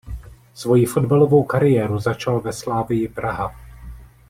Svoji fotbalovou kariéru začal ve Slavii Praha.